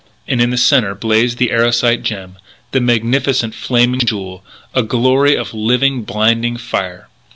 And, in the centre, blazed the Erosite gem the magnificent Flaming Jewel, a glory of living, blinding fire.